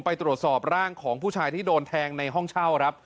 ไปตรวจสอบร่างของผู้ชายที่โดนแทงในห้องเช่าครับ